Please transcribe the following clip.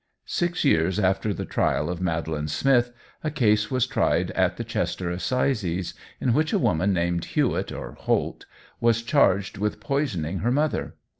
Six years after the trial of Madeline Smith a case was tried at the Chester Assizes, in which a woman named Hewitt or Holt was charged with poisoning her mother.